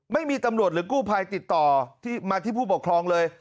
ไม่มีตำรวจหรือกู้ภัยติดต่อมาที่ผู้ปกครองเลย